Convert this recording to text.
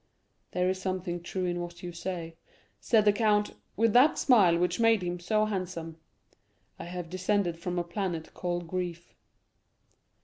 "There is something true in what you say," said the count, with that smile which made him so handsome; "I have descended from a planet called grief."